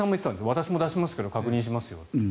私も出しますけど確認しますよという。